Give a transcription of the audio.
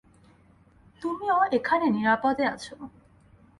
তুমিও এখানে নিরাপদে আছ।